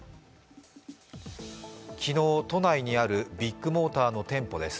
昨日、都内にあるビッグモーターにある店舗です。